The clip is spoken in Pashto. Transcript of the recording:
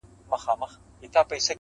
له ازله مي راوړي پر تندي باندي زخمونه؛